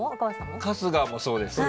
春日もそうですね。